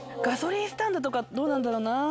ガソリンスタンドとかどうなんだろうな。